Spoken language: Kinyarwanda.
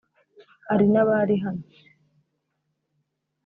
Hari n’abari hano